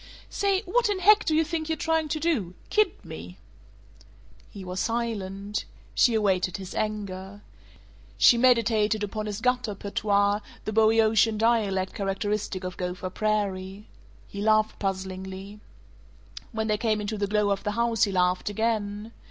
"Say what in heck do you think you're trying to do? Kid me?" He was silent. She awaited his anger. She meditated upon his gutter patois, the Boeotian dialect characteristic of Gopher Prairie. He laughed puzzlingly. When they came into the glow of the house he laughed again.